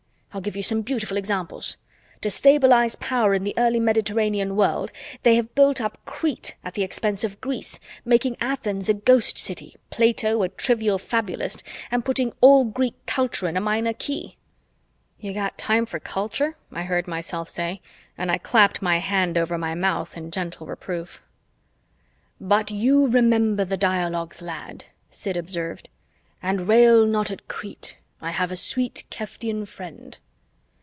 I'll give you some beautiful examples. To stabilize power in the early Mediterranean world, they have built up Crete at the expense of Greece, making Athens a ghost city, Plato a trivial fabulist, and putting all Greek culture in a minor key." "You got time for culture?" I heard myself say and I clapped my hand over my mouth in gentle reproof. "But you remember the dialogues, lad," Sid observed. "And rail not at Crete I have a sweet Keftian friend."